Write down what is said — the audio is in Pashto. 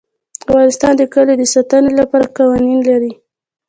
افغانستان د کلیو د ساتنې لپاره قوانین لري.